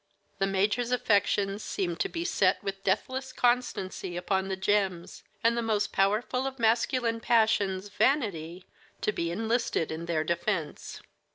The major's affections seemed to be set with deathless constancy upon the gems, and that most powerful of masculine passions, vanity, to be enlisted in their defense.